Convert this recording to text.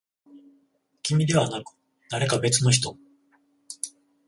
君ではなく、誰か別の人。